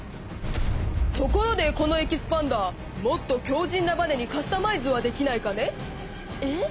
「ところでこのエキスパンダーもっときょうじんなバネにカスタマイズはできないかね？」。え？